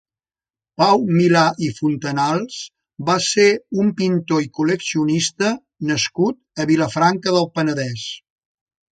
Pau Milà i Fontanals va ser un pintor i col·leccionista nascut a Vilafranca del Penedès.